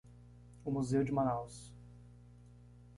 O museu de Manaus.